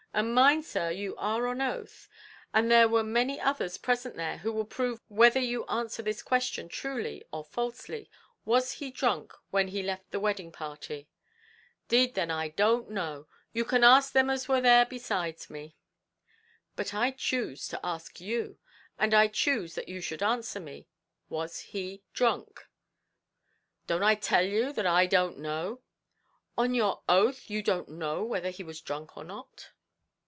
and mind, sir, you are on your oath and there were many others present there who will prove whether you answer this question truly or falsely; was he drunk when he left the wedding party?" "'Deed then I don't know; you can ask thim as war there besides me." "But I choose to ask you, and I choose that you should answer me; was he drunk?" "Don't I tell you that I don't know?" "On your oath you don't know whether he was drunk or not?"